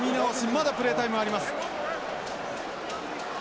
まだプレータイムはあります。